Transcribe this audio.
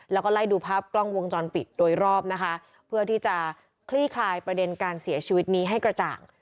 แล้วก็ไล่ดูภาพกล้องวงจรปิดโดยรอบนะคะเพื่อที่จะคลี่คลายประเด็นการเสียชีวิตนี้ให้กระจ่าง